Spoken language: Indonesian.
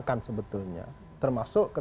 bukan pas conversasi dengan penguasa lain